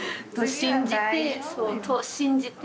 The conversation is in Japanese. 信じてそう信じて。